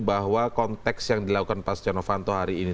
bahwa konteks yang dilakukan pak sjanovanto hari ini